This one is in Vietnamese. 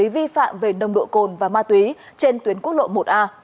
vi phạm về nồng độ cồn và ma túy trên tuyến quốc lộ một a